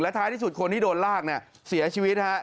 ท้ายที่สุดคนที่โดนลากเนี่ยเสียชีวิตฮะ